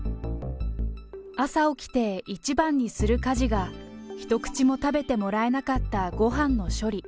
朝起きて一番にする家事が、一口も食べてもらえなかったごはんの処理。